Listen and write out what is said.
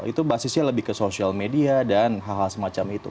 itu basisnya lebih ke social media dan hal hal semacam itu